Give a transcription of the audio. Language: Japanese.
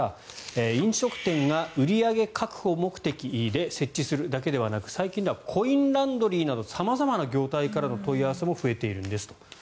飲食店が売り上げ確保目的で設置するだけでなく最近ではコインランドリーなど様々な業態からの問い合わせも増えているんですと。